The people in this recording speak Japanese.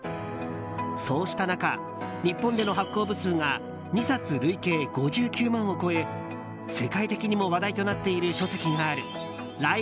そうした中、日本での発行部数が２冊累計５９万を超え世界的にも話題となっている書籍がある。